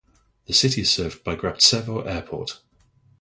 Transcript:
The city is served by the Grabtsevo Airport.